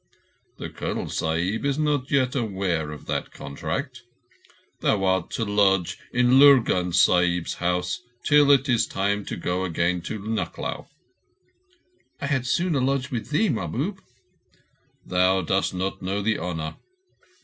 "The Colonel Sahib is not yet aware of that contract. Thou art to lodge in Lurgan Sahib's house till it is time to go again to Nucklao." "I had sooner lodge with thee, Mahbub." "Thou dost not know the honour.